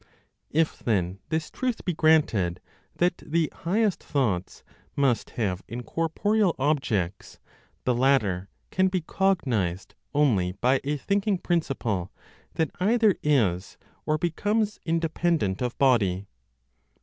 If then this truth be granted, that the highest thoughts must have incorporeal objects, the latter can be cognized only by a thinking principle that either is, or becomes independent of body.